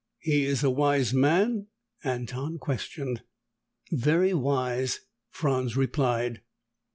"He is a wise man?" Anton questioned. "Very wise," Franz replied.